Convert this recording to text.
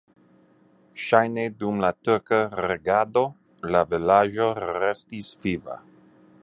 Ŝajne dum la turka regado la vilaĝo restis viva.